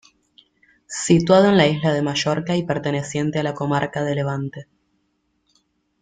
Situado en la isla de Mallorca y perteneciente a la comarca de Levante.